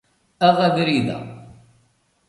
Aɣ abrid-a.